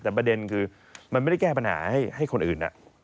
แต่ประเด็นคือมันไม่ได้แก้ปัญหาให้คนอื่น